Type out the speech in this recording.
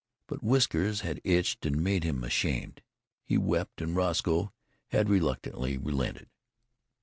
But whiskers had itched and made him ashamed. He wept and Roscoe had reluctantly relented.